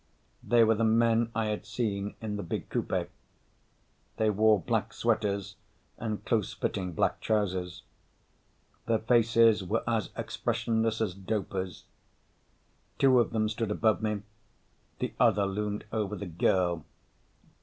They were the men I had seen in the big coupe. They wore black sweaters and close fitting black trousers. Their faces were as expressionless as dopers. Two of them stood above me. The other loomed over the girl.